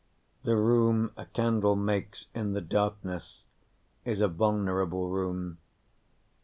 The room a candle makes in the darkness is a vulnerable room.